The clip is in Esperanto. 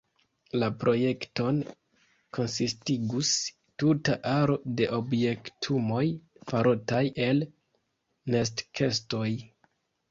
La projekton konsistigus tuta aro de objektumoj farotaj el nestkestoj.